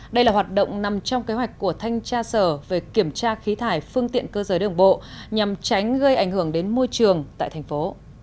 đây là hoạt động nằm trong kế hoạch của thanh tra sở về kiểm tra khí thải phương tiện cơ giới đường bộ nhằm tránh gây ảnh hưởng đến môi trường tại thành phố